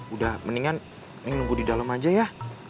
udah mendingan ini nunggu di dalam aja ya